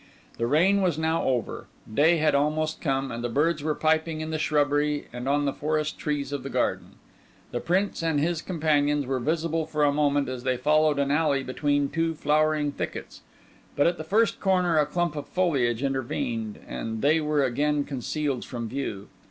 The rain was now over; day had almost come, and the birds were piping in the shrubbery and on the forest trees of the garden. The Prince and his companions were visible for a moment as they followed an alley between two flowering thickets; but at the first corner a clump of foliage intervened, and they were again concealed from view.